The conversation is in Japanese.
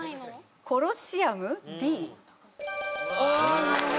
コロシアムＤ。